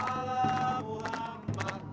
salam allah allah muhammad